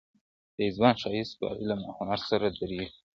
• د یو ځوان ښایست په علم او هنر سره دېرېږي,